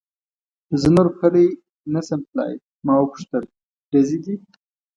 زه نور پلی نه شم تلای، ما و پوښتل: ډزې دي؟